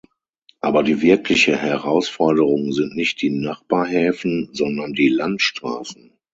Aber die wirkliche Herausforderung sind nicht die Nachbarhäfen, sondern die Landstraßen.